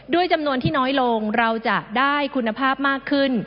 จำนวนที่น้อยลงเราจะได้คุณภาพมากขึ้น